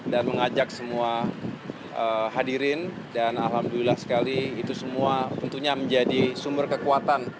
dan mengajak semua hadirin dan alhamdulillah sekali itu semua tentunya menjadi sumber kekuatan